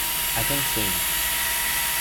I can't swim.